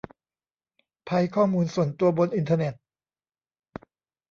ภัยข้อมูลส่วนตัวบนอินเทอร์เน็ต